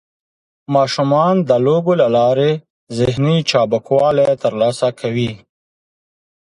ماشومان د لوبو له لارې ذهني چابکوالی ترلاسه کوي.